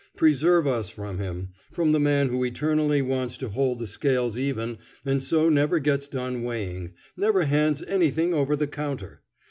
Preserve us from him; from the man who eternally wants to hold the scales even and so never gets done weighing never hands anything over the counter.